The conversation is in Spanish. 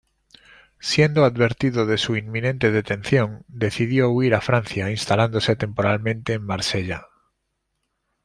Siendo advertido de su inminente detención, decidió huir a Francia, instalándose temporalmente en Marsella.